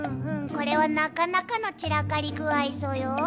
これはなかなかの散らかりぐあいソヨ。